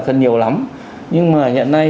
cần nhiều lắm nhưng mà hiện nay